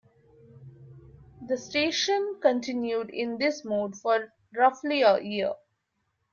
The station continued in this mode for roughly a year.